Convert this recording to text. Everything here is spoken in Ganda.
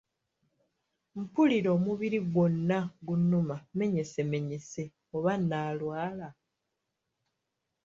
Mpulira omubiri gwonna gunnuma menyesemenyese oba naalwala?